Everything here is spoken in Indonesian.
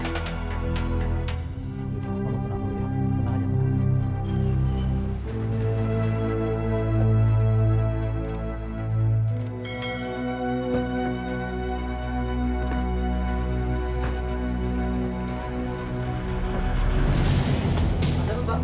kalau pernah kita bisa